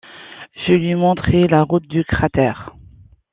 Je lui montrai la route du cratère.